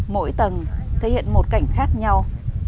mỗi tầng thể hiện một cảnh khác nhau